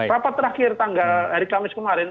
rapat terakhir hari kamis kemarin